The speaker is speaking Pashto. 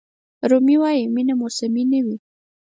رومي وایي مینه موسمي نه وي.